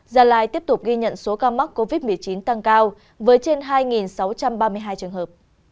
gia lai tiếp tục ghi nhận số ca mắc covid một mươi chín tăng cao với trên hai sáu trăm ba mươi hai trường hợp